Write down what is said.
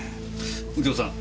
右京さん。